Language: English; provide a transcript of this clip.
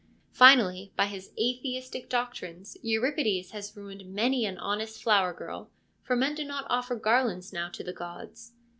Finally, by his atheistical doctrines, Euripides has ruined many an honest flower girl, for men do not offer garlands now to the gods.